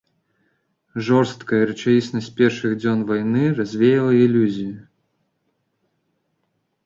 Жорсткая рэчаіснасць першых дзён вайны развеяла ілюзіі.